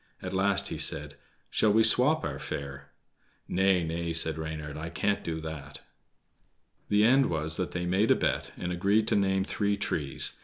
At last he said: "Shall we swap our fare?" "Nay, nay!" said Reynard, "I can't do that." The end was that they made a bet, and agreed to name three trees.